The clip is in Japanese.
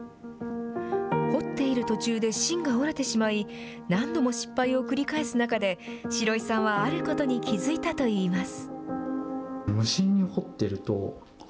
彫っている途中で芯が折れてしまい何度も失敗を繰り返す中でシロイさんはあることに気付いたと言います。